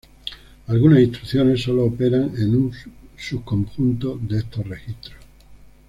Algunas instrucciones sólo operan en un subconjunto de estos registros.